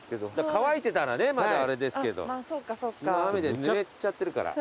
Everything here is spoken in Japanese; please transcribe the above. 乾いてたらねまだあれですけど昨日雨でぬれちゃってるから。